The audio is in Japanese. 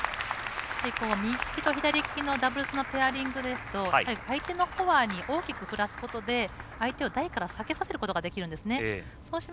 右利きと左利きのダブルスのペアリングですと回転のフォアに大きく振らすことで相手を台から下げさせることができるんですね。